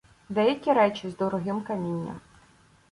Деякі речі — з дорогим камінням.